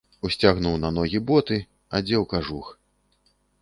Усцягнуў на ногі боты, адзеў кажух.